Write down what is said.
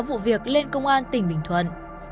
vụ việc lên công an tỉnh bình thuận